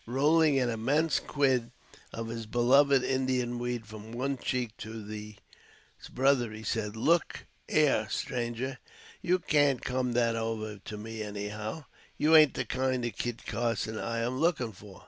Rolling an immense quid of his beloved Indian weed from one cheek to its brother he said, "Look 'ere stranger, you can't come that over me any how. You ain't the kind of Kit Carson I am looking for."